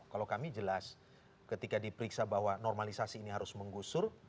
kalau kami jelas ketika diperiksa bahwa normalisasi ini harus menggusur